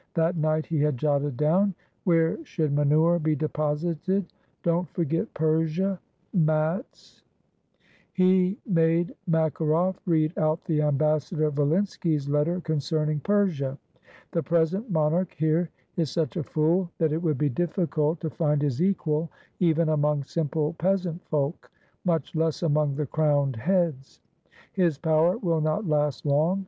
That night he had jotted down: "Where should manure be deposited? Don't forget Persia — mats." ^ Thirty six pounds. 90 A MORNING WITH PETER THE GREAT He made Makaroff read out the Ambassador Vo linsky's letter concerning Persia. "The present monarch here is such a fool that it would be difficult to find his equal even among simple peasant folk, much less among the crowned heads. His power will not last long.